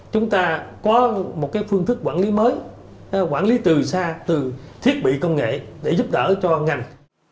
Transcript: chúng ta có một phương thức quản lý mới quản lý từ xa từ thiết bị công nghệ để giúp đỡ cho ngành